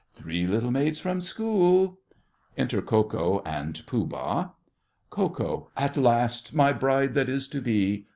Three little maids from school! Enter Ko Ko and Pooh Bah. KO. At last, my bride that is to be!